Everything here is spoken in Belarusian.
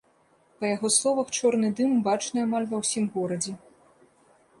Па яго словах, чорны дым бачны амаль ва ўсім горадзе.